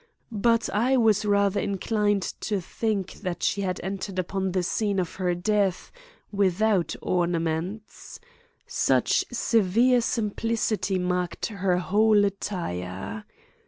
But I was rather inclined to think that she had entered upon the scene of her death without ornaments,—such severe simplicity marked her whole attire.